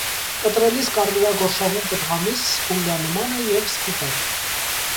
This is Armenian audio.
Կտրելիս կարմրագորշավուն պտղամիս սպունգանման է և սպիտակ։